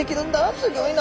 すギョいな。